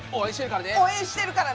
応援してるからね！